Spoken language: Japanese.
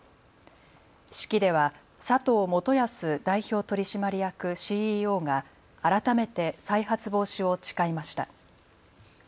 式では佐藤元保代表取締役ＣＥＯが改めて再発防止を誓いました。